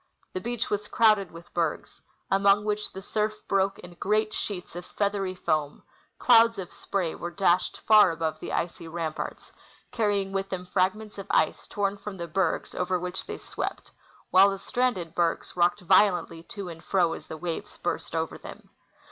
The beach was crowded with bergs, among Avhich the surf broke in great sheets of feathery foam ; clouds of sj^ray Avere dashed far above the icy ramparts, carrying with them fragments of ice torn from the bergs over Avhich they swept ; Avhile the stranded bergs rocked violently to and fro as the Avaves burst over them.